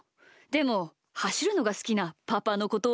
でもはしるのがすきなパパのことは？